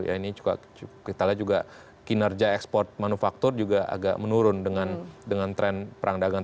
ini juga kita lihat juga kinerja ekspor manufaktur juga agak menurun dengan tren perang dagang